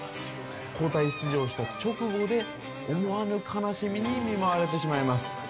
交代出場した直後で思わぬ悲しみに見舞われてしまいます。